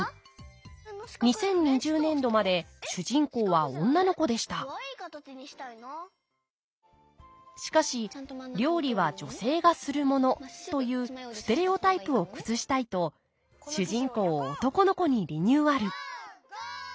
２０２０年度まで主人公は女の子でしたしかし料理は女性がするものというステレオタイプを崩したいと主人公を男の子にリニューアル